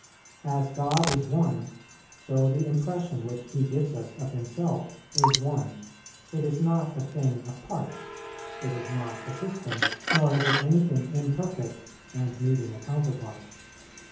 As God is one, so the impression which He gives us of Himself is one; it is not a thing of parts; it is not a system; nor is it anything imperfect and needing a counterpart.